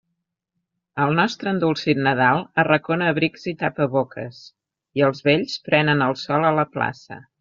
El nostre endolcit Nadal arracona abrics i tapaboques, i els vells prenen el sol a la plaça.